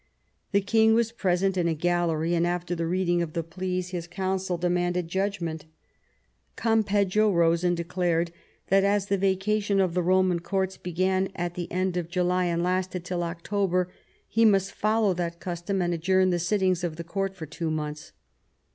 The king was present in a gallery, and after the reading of the pleas his counsel demanded judgment Campeggio rose and declared that as the vacation of the Roman courts began at the end of July and lasted till October, he must follow that custom, and adjourn the sittings of the court for two months.